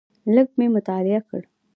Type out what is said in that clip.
لږ مې مطالعه کړ.